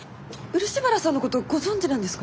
漆原さんのことご存じなんですか？